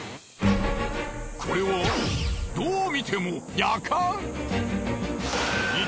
これはどう見てもヤカン！？